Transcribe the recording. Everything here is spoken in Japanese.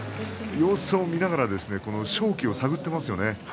様子を見ながら勝機を探っていますよね。